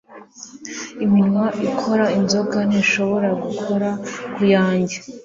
iminwa ikora inzoga ntishobora gukora kuyanjye